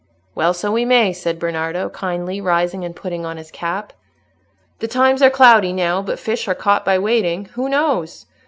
"Well, so we may," said Bernardo, kindly, rising and putting on his cap. "The times are cloudy now, but fish are caught by waiting. Who knows?